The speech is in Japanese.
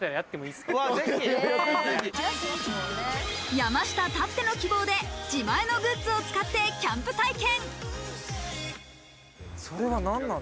山下たっての希望で、自前のグッズを使ってキャンプ体験。